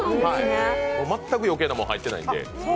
全く余計なもの入ってないので。